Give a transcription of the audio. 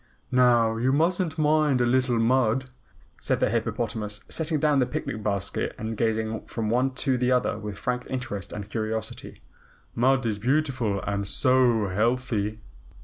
"Now you mustn't mind a little mud," said the hippopotamus, setting down the picnic basket and gazing from one to the other with frank interest and curiosity. "Mud is beautiful and SO healthy."